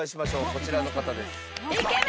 こちらの方です。